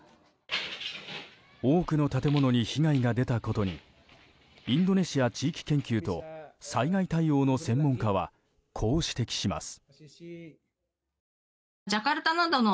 多くの建物に被害が出たことにインドネシア地域研究と災害対応の専門家はこう指摘します。